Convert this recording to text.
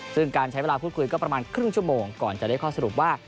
ซึ่งการใช้เวลาพูดคุยก็ประมาณครึ่งชั่วโมงก่อนจะได้ข้อสรุปว่า